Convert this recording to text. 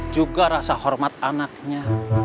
juga rasa hormat anaknya